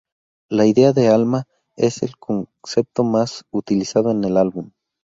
La idea de "alma" es el concepto más utilizado en el álbum.